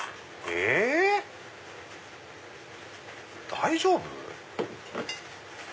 大丈夫？